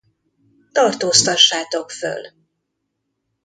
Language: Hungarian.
Tartóztassátok föl!